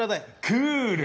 クール！